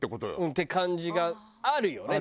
って感じがあるよね。